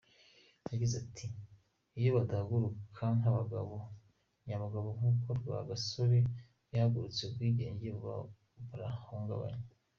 Yagize ati “ Iyo badahaguruka nk’abagabo nyabagabo nk’uko Rwagasore yahagurutse, ubwigenge buba bwarahungabanye.